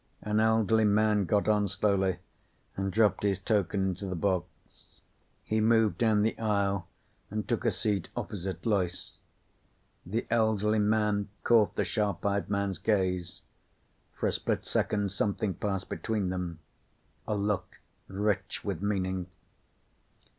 An elderly man got on slowly and dropped his token into the box. He moved down the aisle and took a seat opposite Loyce. The elderly man caught the sharp eyed man's gaze. For a split second something passed between them. A look rich with meaning.